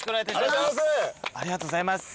ありがとうございます。